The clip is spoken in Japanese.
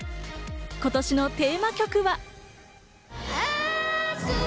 今年のテーマ曲は。